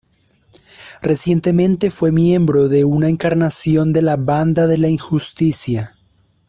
Recientemente fue miembro de una encarnación de la Banda de la Injusticia.